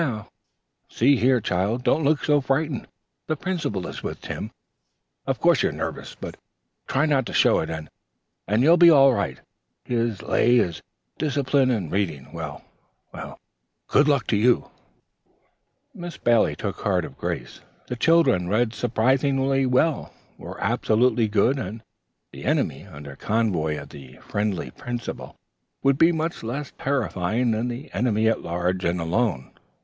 Now, see here, child, don't look so frightened. The Principal is with Tim. Of course you're nervous, but try not to show it, and you'll be all right. His lay is discipline and reading. Well, good luck to you!" Miss Bailey took heart of grace. The children read surprisingly well, were absolutely good, and the enemy under convoy of the friendly Principal would be much less terrifying than the enemy at large and alone.